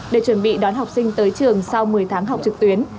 để chuẩn bị đón học sinh tới trường sau một mươi tháng học trực tuyến